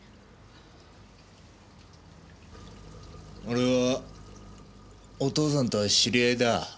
俺はお父さんとは知り合いだ。